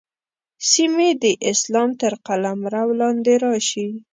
سیمې د اسلام تر قلمرو لاندې راشي.